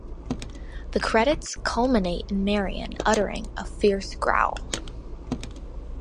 The credits culminate in Marion uttering a fierce growl.